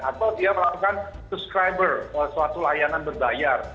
atau dia melakukan suscriber suatu layanan berbayar